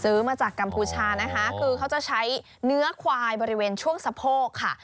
ซื้อมาจากกัมพูชานะคะคือเขาจะใช้เนื้อควายบริเวณช่วงสะโพกค่ะ